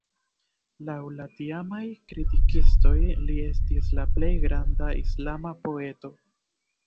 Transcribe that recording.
Laŭ la tiamaj kritikistoj li estis la plej granda islama poeto.